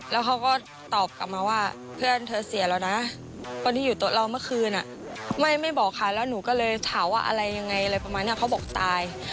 แล้วเขาก็ตอบกลับมาว่าเพื่อนเธอเสียแล้วนะคนที่อยู่โต๊ะเราเมื่อคืนไม่บอกค่ะแล้วหนูก็เลยถามว่าอะไรยังไงอะไรประมาณนี้เขาบอกตาย